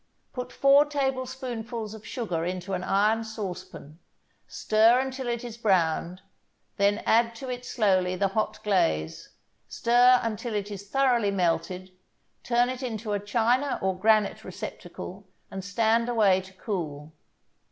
Put four tablespoonfuls of sugar into an iron saucepan, stir until it is browned, then add to it slowly the hot glaze, stir until it is thoroughly melted, turn it into a china or granite receptacle, and stand away to cool.